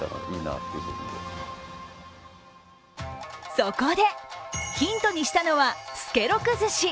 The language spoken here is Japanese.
そこで、ヒントにしたのは助六ずし。